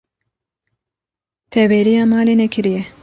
Te bêriya malê nekiriye.